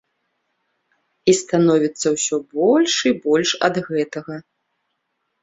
І становіцца ўсё больш і больш ад гэтага.